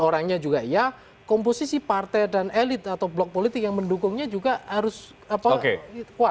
orangnya juga ya komposisi partai dan elit atau blok politik yang mendukungnya juga harus apa